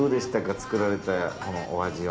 作られたこのお味は。